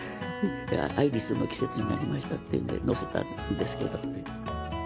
アイリスの季節になりましたって載せたんですけど。